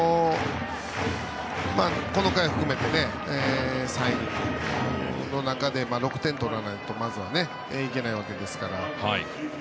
この回を含めて３回の中で６点取らないとまずはいけないわけですから。